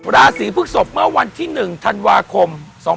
ราศีพฤกษกเมื่อวันที่๑ธันวาคม๒๕๖๒